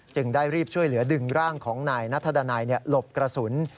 ได้รีบช่วยเหลือดึงร่างของนายนัทดานัยหลบกระสุน